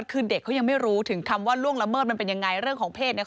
ที่คือเด็กคุณยังไม่รู้ถึงคำว่าล่วงละเมิดมันเป็นยังไง